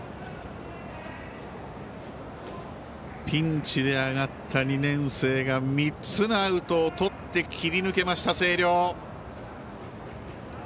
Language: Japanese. ピンチで上がった２年生が３つのアウトをとって切り抜けました、星稜。